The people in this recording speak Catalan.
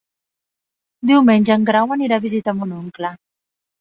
Diumenge en Grau anirà a visitar mon oncle.